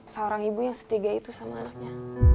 seorang ibu yang setiga itu sama anaknya